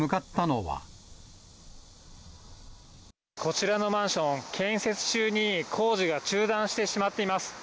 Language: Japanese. こちらのマンション、建設中に工事が中断してしまっています。